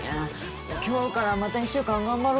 今日からまた１週間頑張ろ。